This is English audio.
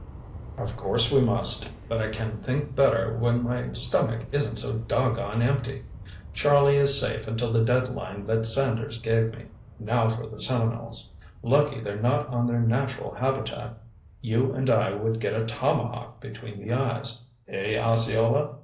"Of course we must. But I can think better when my stomach isn't so doggone empty. Charlie is safe until the deadline that Sanders gave me. Now for the Seminoles. Lucky they're not on their natural habitat—you and I would get a tomahawk between the eyes—eh, Osceola?"